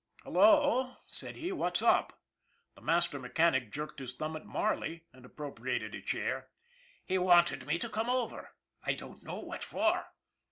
" Hello," said he. " What's up ?" The master mechanic jerked his thumb at Marley, and appropriated a chair. " He wanted me to come over. I don't know what for."